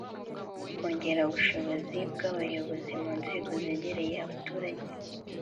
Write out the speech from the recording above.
Kongera ubushobozi bw abayobozi mu nzego zegereye abaturage